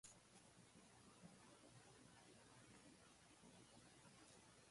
The release has received positive reception from critics.